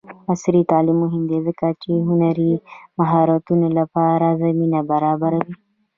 عصري تعلیم مهم دی ځکه چې د هنري مهارتونو لپاره زمینه برابروي.